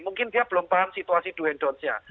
mungkin dia belum paham situasi do and don't nya